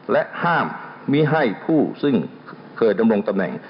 และห้ามมิให้ผู้ซึ่งเคยดำรงตำแหน่ง